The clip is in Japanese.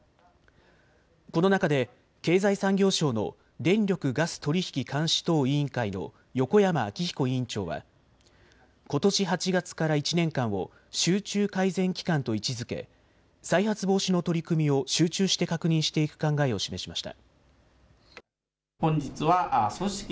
この中で経済産業省の電力・ガス取引監視等委員会の横山明彦委員長はことし８月から１年間を集中改善期間と位置づけ再発防止の取り組みを集中して確認していく考えを示しました。